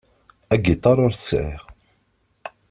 Agiṭar ur t-sεiɣ.